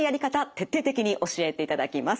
徹底的に教えていただきます。